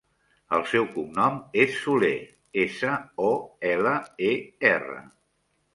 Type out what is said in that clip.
El seu cognom és Soler: essa, o, ela, e, erra.